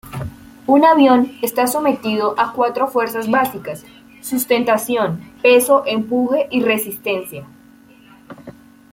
Un avión está sometido a cuatro fuerzas básicas: sustentación, peso, empuje y resistencia.